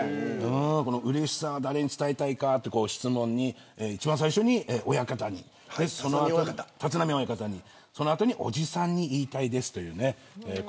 うれしさは誰に伝えたいかという質問に一番最初に立浪親方にその後におじさんに言いたいですということなんです。